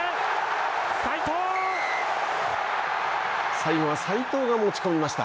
最後は齋藤が持ち込みました。